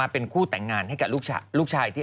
เป็นคู่แต่งงานให้กับลูกชายที่